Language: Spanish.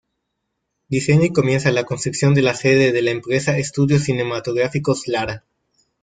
Diseña y comienza la construcción de la sede de la empresa Estudios Cinematográficos Lara.